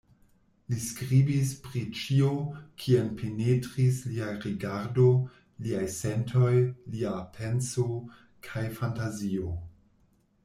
Li skribis pri ĉio, kien penetris lia rigardo, liaj sentoj, lia penso kaj fantazio.